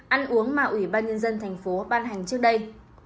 ăn uống mà ủy ban nhân dân tp ban hành trước đây